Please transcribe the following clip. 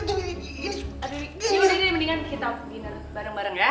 aduh ini udah mendingan kita diner bareng bareng ya